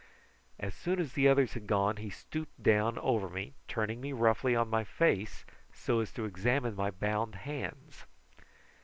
As soon as the others had gone he stooped down over me, turning me roughly on my face so as to examine my bound hands.